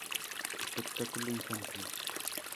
Espectáculo infantil.